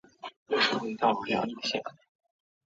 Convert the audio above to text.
安藤希是日本的女演员。